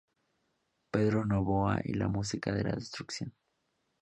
Pedro Novoa y la música de la destrucción